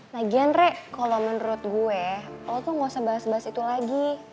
lagian re kalau menurut gue lo tuh gak usah bahas bahas itu lagi